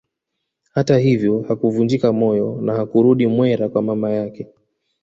Hata hivyo hakuvunjika moyo na hakurudi Mwera kwa mama yake